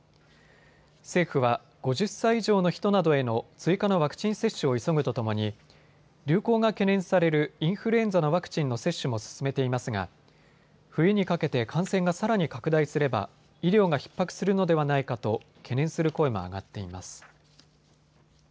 政府は５０歳以上の人などへの追加のワクチン接種を急ぐとともに流行が懸念されるインフルエンザのワクチンの接種も進めていますが冬にかけて感染がさらに拡大すれば医療がひっ迫するのではないかと懸念する声も上がっています。